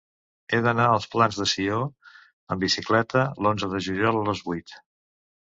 He d'anar als Plans de Sió amb bicicleta l'onze de juliol a les vuit.